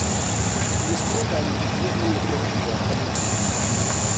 imitunganyirize n imikorere bya Kaminuza